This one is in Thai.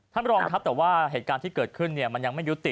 บรองครับแต่ว่าเหตุการณ์ที่เกิดขึ้นเนี่ยมันยังไม่ยุติ